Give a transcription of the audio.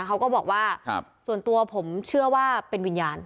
เขาก็บอกว่าส่วนตัวผมเชื่อว่าเป็นวิญญาณ